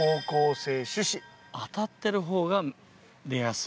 当たってる方が出やすい。